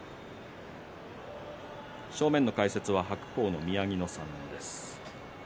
正面の解説は白鵬の宮城野さんです。